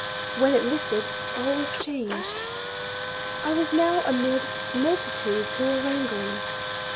When it lifted all was changed. I was now amid multitudes who were wrangling.